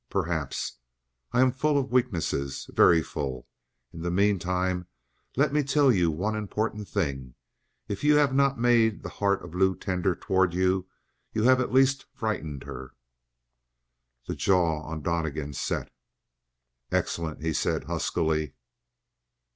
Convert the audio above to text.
Perhaps. I am full of weaknesses. Very full. In the meantime let me tell you one important thing if you have not made the heart of Lou tender toward you, you have at least frightened her." The jaw on Donnegan set. "Excellent!" he said huskily.